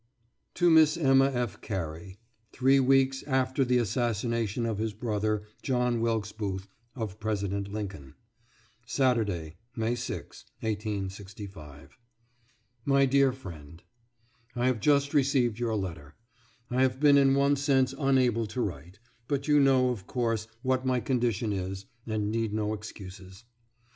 TO MISS EMMA F. CARY [Three weeks after the assassination by his brother, John Wilkes Booth, of President Lincoln.] Saturday, May 6, 1865. MY DEAR FRIEND: I've just received your letter. I have been in one sense unable to write, but you know, of course, what my condition is, and need no excuses.